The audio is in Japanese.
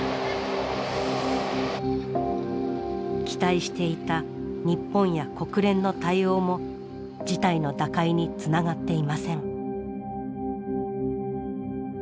期待していた日本や国連の対応も事態の打開につながっていません。